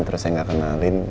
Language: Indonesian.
terus saya ga kenalin